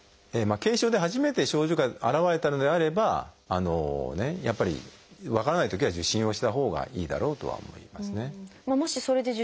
軽症で初めて症状が現れたのであればやっぱり分からないときは受診をしたほうがいいだろうとは思いますね。